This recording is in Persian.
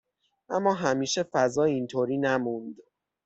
اما همیشه فضا اینطوری نموند.